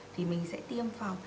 thì mình sẽ tiêm vào